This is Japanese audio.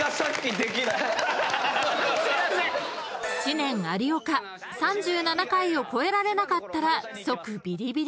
［知念・有岡３７回を超えられなかったら即ビリビリ］